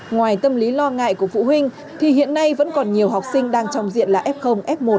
ngoài tâm lý lo ngại của phụ huynh thì hiện nay vẫn còn nhiều học sinh đang trong diện là f f một